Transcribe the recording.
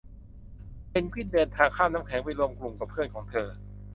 เพนกวินเดินข้ามน้ำแข็งไปรวมกลุ่มกับเพื่อนของเธอ